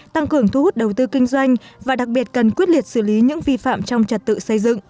tăng cường thu hút đầu tư kinh doanh và đặc biệt cần quyết liệt xử lý những vi phạm trong trật tự xây dựng